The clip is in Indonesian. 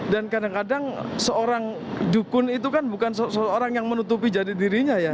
dan kadang kadang seorang dukun itu kan bukan seorang yang menutupi janji dirinya ya